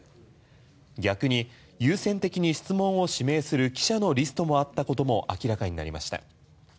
逆に優先的に質問を指名する記者のリストもあったことも明らかになりました。